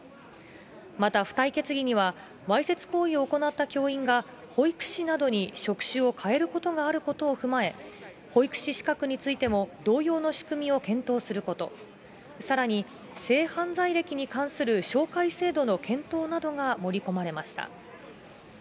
また、付帯決議にはわいせつ行為を行った教員が、保育士などに職種を変えることがあることを踏まえ、保育士資格についても、同様の仕組みを検討すること、さらに、性犯罪歴に関する照会制度の検討などが盛り込まれました。